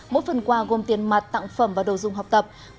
mỗi phần quà gồm tiền mặt tặng phẩm và đồ dùng học tập